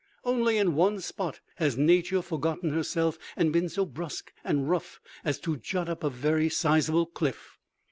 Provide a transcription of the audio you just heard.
Only in one spot has Nature forgotten herself and been so brusque and rough as to jut up a very sizable cliff.